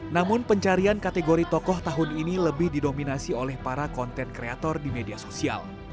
namun pencarian kategori tokoh tahun ini lebih didominasi oleh para konten kreator di media sosial